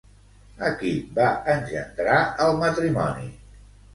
A qui va engendrar el matrimoni?